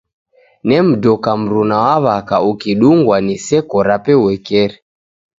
Nemdoka mruna waw'aka ukidungwa ni seko rape uekeri.